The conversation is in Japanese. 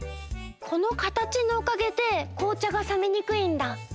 このかたちのおかげでこうちゃがさめにくいんだ。